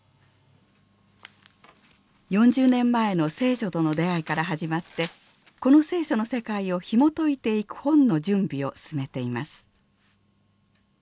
４０年前の聖書との出会いから始まってこの聖書の世界をひもといていく本の準備を進めています。